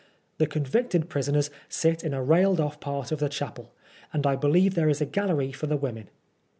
The convicted prisoners sit in a railed off part of the chapel, and I believe there is a gallery for the women.